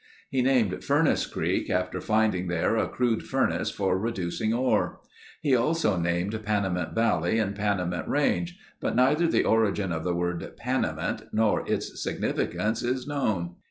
He named Furnace Creek after finding there a crude furnace for reducing ore. He also named Panamint Valley and Panamint Range, but neither the origin of the word Panamint nor its significance is known.